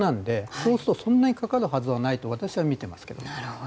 そうするとそんなにかかるはずはないと私はみていますけども。